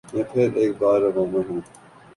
میں پھر ایک بار روانہ ہوں